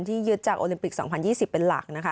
ยึดจากโอลิมปิก๒๐๒๐เป็นหลักนะคะ